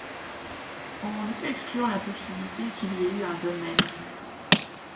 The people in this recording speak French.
On ne peut exclure la possibilité qu’il y ait eu un dolmen au centre.